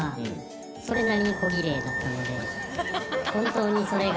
「本当にそれが」